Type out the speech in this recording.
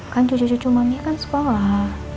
kan cucu cucu mania kan sekolah